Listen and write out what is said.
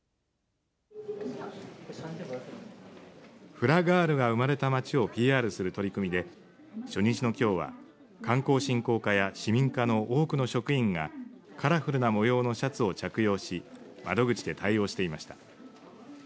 フラガールが生まれた街をＰＲする取り組みで初日のきょうは観光振興課や市民課の多くの職員がカラフルな模様のシャツを着用し窓口で対応していました。